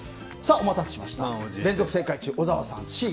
お待たせしました連続正解中の小沢さん、Ｃ。